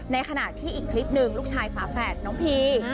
ในขณะที่อีกคลิปหนึ่งลูกชายฝาแฝดน้องพี